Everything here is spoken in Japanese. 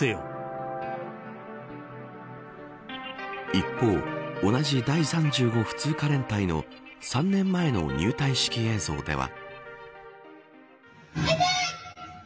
一方、同じ第３５普通科連隊の３年前の入隊式映像では。